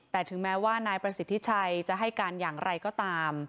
แต่ถึงแม้ว่านายประสิทธิชัยจะให้การอย่างไรก็ตาม